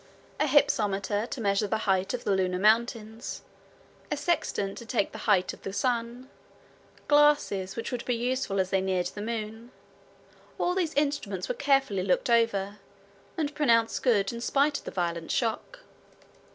A hypsometer to measure the height of the lunar mountains, a sextant to take the height of the sun, glasses which would be useful as they neared the moon, all these instruments were carefully looked over, and pronounced good in spite of the violent shock.